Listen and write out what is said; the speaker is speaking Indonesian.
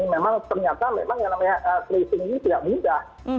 memang ternyata memang yang namanya tracing ini tidak mudah